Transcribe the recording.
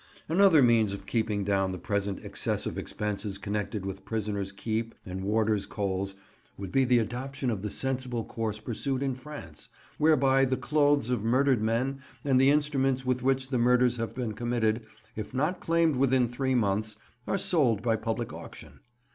Another means of keeping down the present excessive expenses connected with prisoners' keep and warders' coals would be the adoption of the sensible course pursued in France, whereby the clothes of murdered men and the instruments with which the murders have been committed, if not claimed within three months, are sold by public auction.